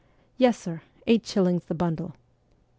' Yes, sir ; eight shillings the bundle.'